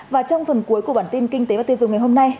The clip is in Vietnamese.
và trong phần cuối của bản tin kinh tế và tiên dung ngày hôm nay